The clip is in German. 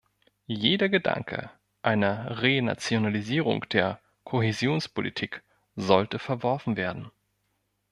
Jeder Gedanke einer Renationalisierung der Kohäsionspolitik sollte verworfen werden.